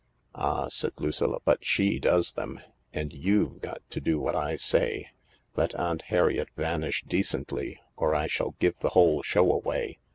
" Ah," said Lucilla, " but she does them. And you'vs got to do what I say. Let Aunt Harriet vanish decently or I shall give the whole show away.